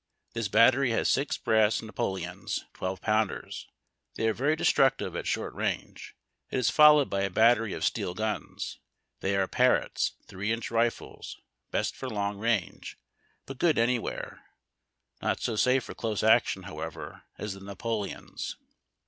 This battery lias six brass Napo leons, 12 pounders. They are very destructive at sliort range. It is followed by a battery of steel guns. They are Parrots, three inch rifles ; best for long range, but good anywhere. Not so safe for close action, however, as the Napoleons.